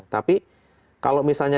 tapi kalau misalnya